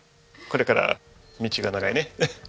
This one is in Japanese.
これから道が長いね。